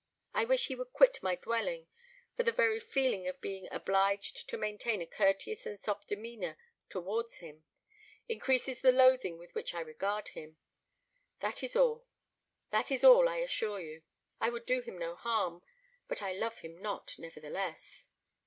I wish he would quit my dwelling, for the very feeling of being obliged to maintain a courteous and soft demeanour towards him, increases the loathing with which I regard him. That is all that is all, I assure you; I would do him no harm but I love him not, nevertheless."